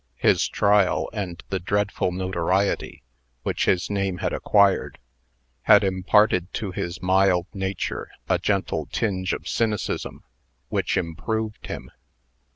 His trial, and the dreadful notoriety which his name had acquired, had imparted to his mild nature a gentle tinge of cynicism, which improved him.